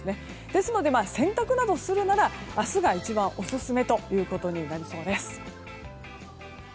ですので洗濯などするなら明日が一番オススメとなりそうです。